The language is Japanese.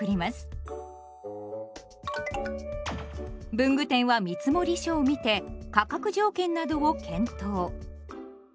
文具店は見積書を見て価格条件などを検討。